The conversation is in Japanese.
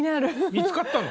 見つかったの？